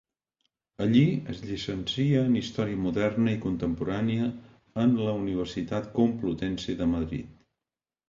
Allí es llicencia en història moderna i contemporània en la Universitat Complutense de Madrid.